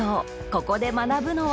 ここで学ぶのは？